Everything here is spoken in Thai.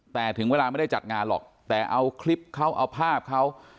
แต่ถึงเวลาไม่ได้จัดงานหรอกแต่เอาคลิปเขาเอาภาพเขา